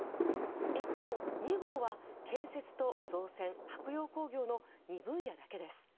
一方、２号は建設と造船・舶用工業の２分野だけです。